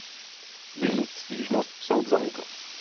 Její stížnost soud zamítl.